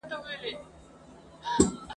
نه په یخ نه په ګرمي کي سو فارغ له مصیبته ..